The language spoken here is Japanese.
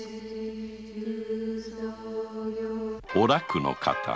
お楽の方。